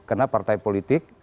karena partai politik